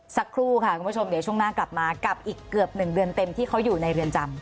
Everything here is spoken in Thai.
สักครู่ค่ะคุณผู้ชมเดี๋ยวช่วงหน้ากลับมากับอีกเกือบ๑เดือนเต็มที่เขาอยู่ในเรือนจำ